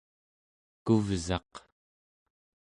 kuvsaq